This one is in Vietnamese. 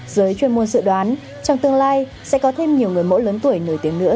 giới chuyên môn dự đoán trong tương lai sẽ có thêm nhiều người mẫu lớn tuổi nổi tiếng nữa